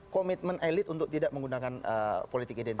komitmen elit untuk tidak menggunakan politik identitas